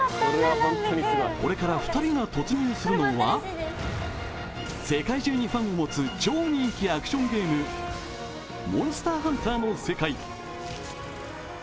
これから２人が突入するのは世界中にファンを持つ超人気アクションゲーム、「モンスターハンター」の世界。